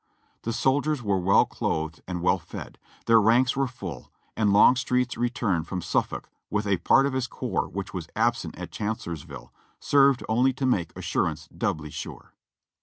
The soldiers were well clothed and well fed; their ranks were full, and Longstreet's return from Suffolk with a part of his corps which was absent at Chancellorsville, served only to make assurance doubly sure.